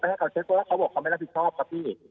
ให้เขาเช็คเพราะว่าเขาบอกเขาไม่รับผิดชอบครับพี่